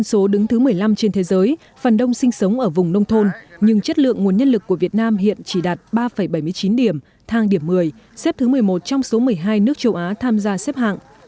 xếp thứ một mươi một trong số một mươi hai nước châu á tham gia xếp hạng